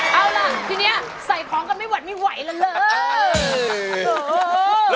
เอาล่ะทีนี้ใส่ของกันไม่หวัดไม่ไหวแล้วเลย